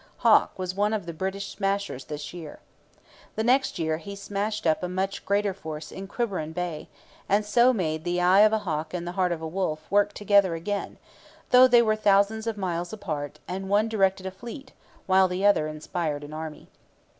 Hawke was one of the British smashers this year. The next year he smashed up a much greater force in Quiberon Bay, and so made 'the eye of a Hawke and the heart of a Wolfe' work together again, though they were thousands of miles apart and one directed a fleet while the other inspired an army.